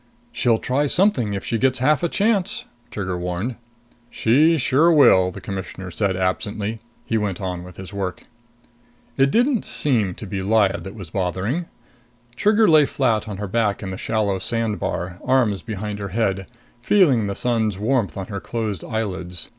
"She'll try something if she gets half a chance!" Trigger warned. "She sure will!" the Commissioner said absently. He went on with his work. It didn't seem to be Lyad that was bothering. Trigger lay flat on her back in the shallow sand bar, arms behind her head, feeling the sun's warmth on her closed eyelids.